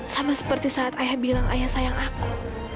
sama seperti saat ayah bilang ayah sayang aku